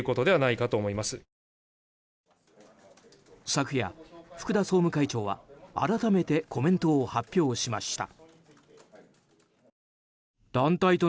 昨夜、福田総務会長は改めてコメントを発表しました。